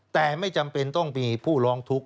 แต่ไม่จำเป็นต้องมีผู้ร้องทุกข์